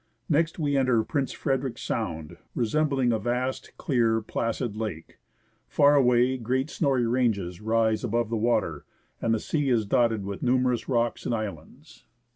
Next we enter Prince Frederick Sound, resembling a vast, clear, placid lake. Far away great snowy ranges rise above the wa^er, and the sea is dotted JUNEAU. •with numerous rocks and islands.